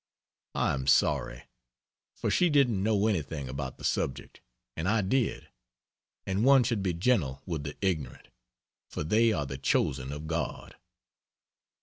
I am sorry: for she didn't know anything about the subject, and I did; and one should be gentle with the ignorant, for they are the chosen of God.